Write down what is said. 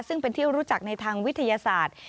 ซึ่งเป็นที่รู้จักในทางวิทยาศาสตร์